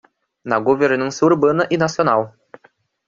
Na governança urbana e nacional